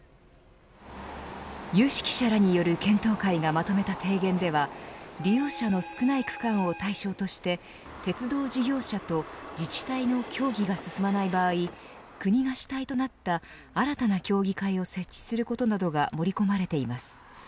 有識者らによる検討会がまとめた提言では利用者の少ない区間を対象として鉄道事業者と自治体の協議が進まない場合国が主体となった新たな協議会を設置することなどが盛り込まれています。